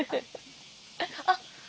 あっ。